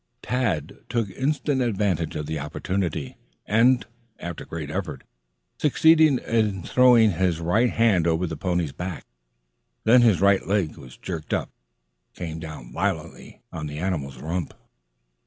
Tad took instant advantage of the opportunity, and, after great effort, succeeded in throwing his right hand over the pony's back. Then his right leg was jerked up. It came down violently on the animal's rump.